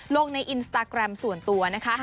ลงในอินสตาแกรมส่วนตัวนะคะ